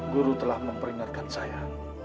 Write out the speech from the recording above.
guru telah memperingatkan saya